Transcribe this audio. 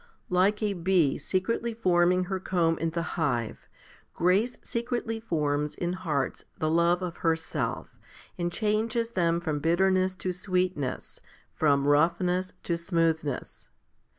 7. Like a bee secretly forming her comb in the hive, grace secretly forms in hearts the love of herself, and changes them from bitterness to sweetness, from roughness to smoothness.